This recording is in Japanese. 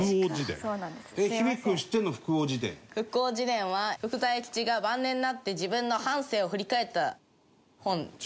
『福翁自伝』は福沢諭吉が晩年になって自分の半生を振り返った本です。